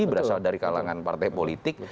berasal dari kalangan partai politik